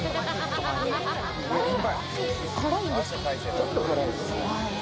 ちょっと辛いです。